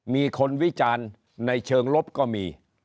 มีคนวิจารณ์ในเชิงลบก็มี